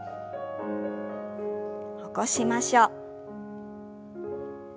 起こしましょう。